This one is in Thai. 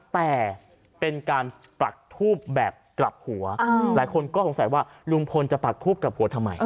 แต่เป็นการปักทูบแบบกลับหัวหลายคนก็สงสัยว่าลุงพลจะปักทูบกลับหัวทำไม